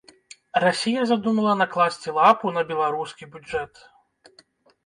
Расія задумала накласці лапу на беларускі бюджэт.